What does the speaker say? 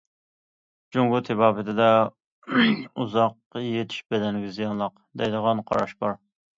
جۇڭگو تېبابىتىدە« ئۇزاق يېتىش بەدەنگە زىيانلىق» دەيدىغان قاراش بار.